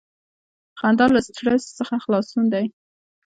• خندا له سټریس څخه خلاصون دی.